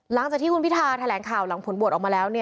หลังจากที่คุณพิธาแถลงข่าวหลังผลโหวตออกมาแล้ว